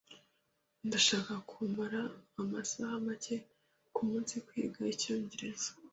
Ndashaka kumara amasaha make kumunsi kwiga icyongereza.